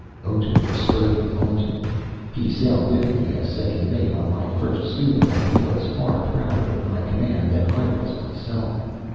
Otoo spurred me on to it. He sailed with me as second mate on my first schooner, and he was far prouder of my command than I was myself.